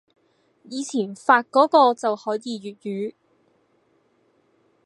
以前發個個就可以粵語